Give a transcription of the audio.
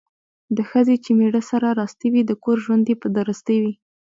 د ښځې چې میړه سره راستي وي ،د کور ژوند یې په درستي وي.